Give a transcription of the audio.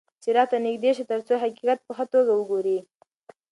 څراغ ته نږدې شه ترڅو حقیقت په ښه توګه وګورې.